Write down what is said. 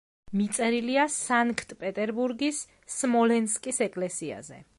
მიწერილია სანქტ-პეტერბურგის სმოლენსკის ეკლესიაზე.